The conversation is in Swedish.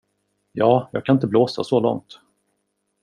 Ja, jag kan inte blåsa så långt.